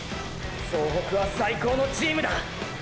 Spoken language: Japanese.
総北は最高のチームだ！！